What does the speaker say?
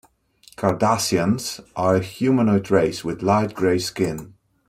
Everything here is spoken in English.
Cardassians are a humanoid race, with light grey skin.